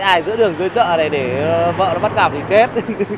ai giữa đường dưới chợ này để vợ nó bắt gặp thì chết